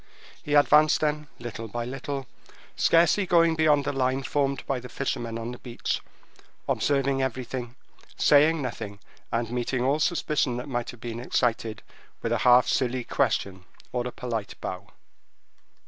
He advanced then little by little, scarcely going beyond the line formed by the fishermen on the beach, observing everything, saying nothing, and meeting all suspicion that might have been excited with a half silly question or a polite bow.